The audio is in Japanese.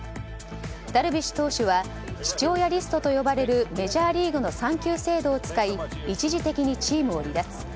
ダルビッシュ投手は父親リストと呼ばれるメジャーリーグの産休制度を使い一時的にチームを離脱。